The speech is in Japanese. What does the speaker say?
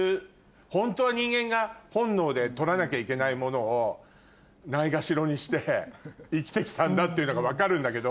ホントは人間が本能で取らなきゃいけないものをないがしろにして生きてきたんだっていうのが分かるんだけど。